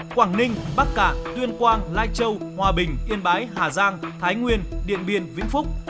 quảng ninh bắc cạn tuyên quang lai châu hòa bình yên bái hà giang thái nguyên điện biên vĩnh phúc